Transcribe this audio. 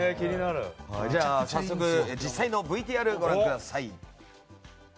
早速、実際のＶＴＲご覧ください。